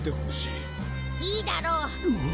いいだろう。